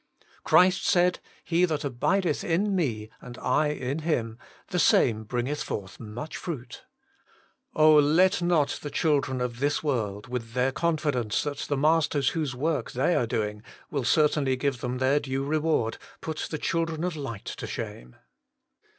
Christ said :' He that abideth in Me, and I in him, the same bringeth forth much fruit.' Oh ! let not the children of this world, with their confidence that the masters whose work they are doing will cer tainly give them their due reward, put the children of light to shame.